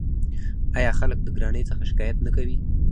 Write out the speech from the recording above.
آیا خلک د ګرانۍ څخه شکایت نه کوي؟